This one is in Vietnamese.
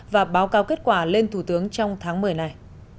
và báo cáo kết quả lên thủ tướng trong tháng một mươi này